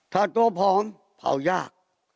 ถ้าตัวผอมเผายาก